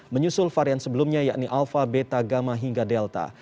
menyusul varian sebelumnya yakni alpha beta gamma hingga delta